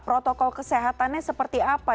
protokol kesehatannya seperti apa